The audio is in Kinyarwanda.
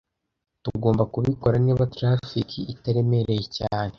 Tugomba kubikora niba traffic itaremereye cyane.